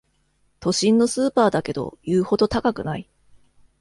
都心のスーパーだけど言うほど高くない